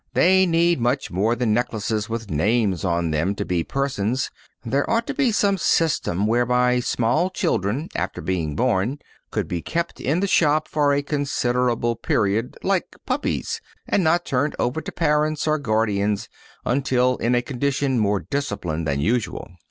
They need much more than necklaces with names on them to be persons. There really ought to be some system whereby small children after being born could be kept in the shop for a considerable period, like puppies, and not turned over to parents or guardians until in a condition more disciplined than usual.